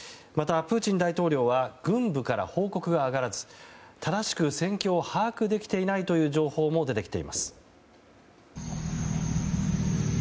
また、プーチン大統領は軍部から報告が上がらず正しく戦況を把握できていないという情報も出てきています。